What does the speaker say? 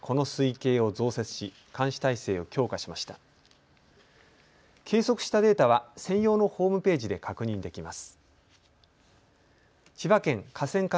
計測したデータは専用のホームページで確認できます。